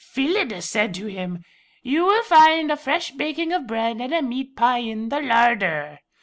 "Phyllida said to him, 'You will find a fresh baking of bread and a meat pie in the larder.'"